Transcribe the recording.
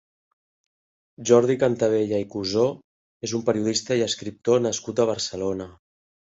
Jordi Cantavella i Cusó és un periodista i escriptor nascut a Barcelona.